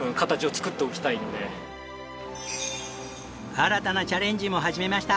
新たなチャレンジも始めました。